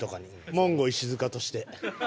モンゴウ石塚として。